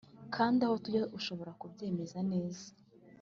kandi aho tujya urashobora kubyemeza neza,